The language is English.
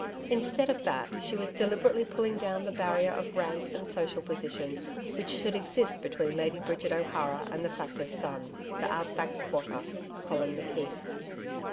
Instead of that, she was deliberately pulling down the barrier of rank and social position which should exist between Lady Bridget O'Hara and the Factor's son, the Out Back squatter Colin McKeith.